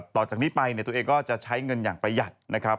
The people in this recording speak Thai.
ต่อจากนี้ไปตัวเองก็จะใช้เงินอย่างประหยัดนะครับ